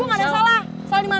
gue gak ada yang salah salah dimana